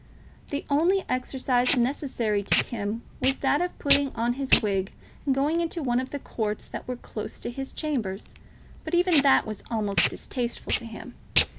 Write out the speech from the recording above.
The only exercise necessary to him was that of putting on his wig and going into one of the courts that were close to his chambers; but even that was almost distasteful to him.